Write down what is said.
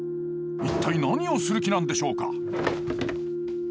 一体何をする気なんでしょうか？